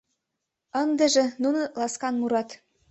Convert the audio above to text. Ындыже нуно ласкан мурат: